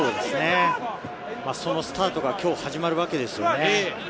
そのスタートが今日始まるわけですよね。